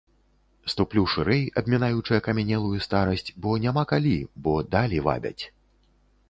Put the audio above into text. Ступлю шырэй, абмінаючы акамянелую старасць, бо няма калі, бо далі вабяць.